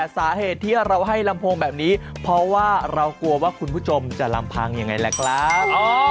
สาเหตุที่เราให้ลำโพงแบบนี้เพราะว่าเรากลัวว่าคุณผู้ชมจะลำพังยังไงล่ะครับ